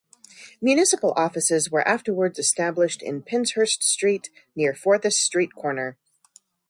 Municipal offices were afterwards established in Penshurst Street near Forsyth Street corner.